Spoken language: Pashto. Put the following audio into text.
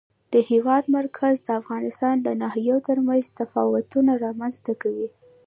د هېواد مرکز د افغانستان د ناحیو ترمنځ تفاوتونه رامنځ ته کوي.